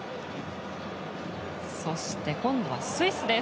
そして、今度はスイスです。